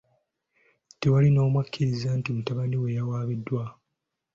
Tewali n'omu akkiriza nti mutabani we yawambiddwa.